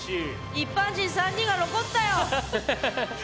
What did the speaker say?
一般人３人が残ったよ。